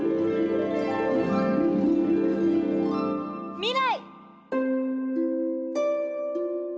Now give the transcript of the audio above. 未来！